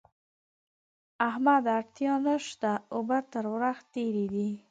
احمده! اړتیا نه شته؛ اوبه تر ورخ تېرې دي.